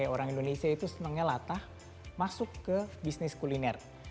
orang indonesia itu senangnya latah masuk ke bisnis kuliner